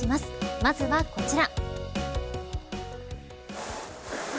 まずは、こちら。